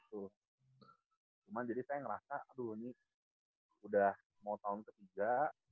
cuman jadi saya ngerasa aduh ini udah mau tahun ketiga